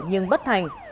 nhưng bất thành